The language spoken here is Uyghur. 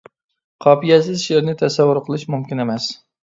قاپىيەسىز شېئىرنى تەسەۋۋۇر قىلىش مۇمكىن ئەمەس.